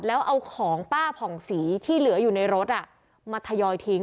แล้วเอาของป้าผ่องศรีที่เหลืออยู่ในรถมาทยอยทิ้ง